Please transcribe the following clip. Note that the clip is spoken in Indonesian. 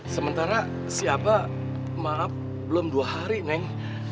sementara si aba maaf belum dua hari neng